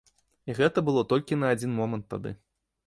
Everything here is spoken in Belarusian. І гэта было толькі на адзін момант тады.